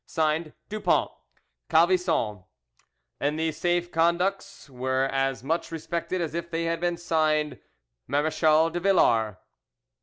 "(Signed) DUPONT. "Calvisson, this——" And these safe conducts were as much respected as if they had been signed "Marechal de Villars."